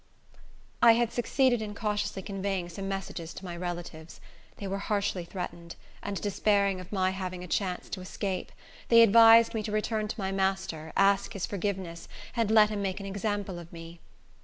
] I had succeeded in cautiously conveying some messages to my relatives. They were harshly threatened, and despairing of my having a chance to escape, they advised me to return to my master, ask his forgiveness, and let him make an example of me.